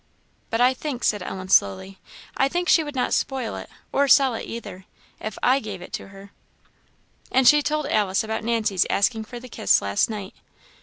"But I think," said Ellen slowly, "I think she would not spoil it, or sell it either, if I gave it to her." And she told Alice about Nancy's asking for the kiss last night.